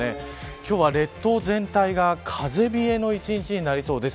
今日は列島全体が風冷えの一日になりそうです。